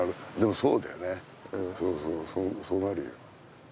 そうそうそうなるよ。